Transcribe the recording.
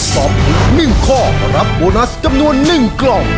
ตอบถูก๑ข้อรับโบนัสจำนวน๑กล่อง